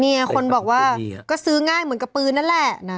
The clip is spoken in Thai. คนบอกว่าก็ซื้อง่ายเหมือนกับปืนนั่นแหละนะ